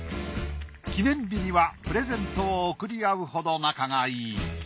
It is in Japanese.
記念日にはプレゼントを贈りあうほど仲がいい。